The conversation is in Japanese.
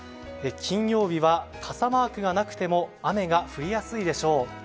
金曜日は傘マークがなくても雨が降りやすいでしょう。